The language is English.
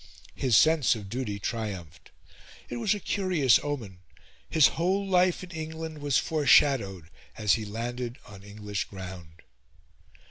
His sense of duty triumphed. It was a curious omen: his whole life in England was foreshadowed as he landed on English ground.